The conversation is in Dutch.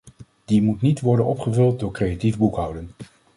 Die moet niet worden opgevuld door creatief boekhouden.